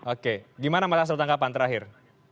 oke gimana mas arsul tanggapan terakhir